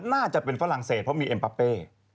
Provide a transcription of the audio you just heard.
น่าจะเป็นฝรั่งเศสเพราะมีเอ็มปาเป้